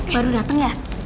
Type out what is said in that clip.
baru dateng ya